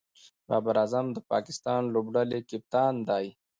بابر اعظم د پاکستان لوبډلي کپتان دئ.